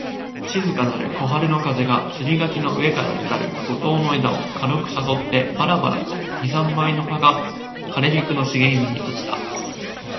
静かなる小春の風が、杉垣の上から出たる梧桐の枝を軽く誘ってばらばらと二三枚の葉が枯菊の茂みに落ちた